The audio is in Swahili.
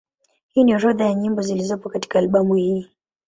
Hii ni orodha ya nyimbo zilizopo katika albamu hii.